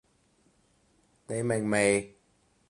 你明未？